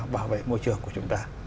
bảo vệ môi trường của chúng ta